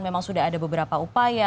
memang sudah ada beberapa upaya